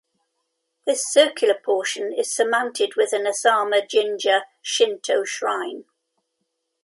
This circular portion is surmounted with an Asama Jinja Shinto shrine.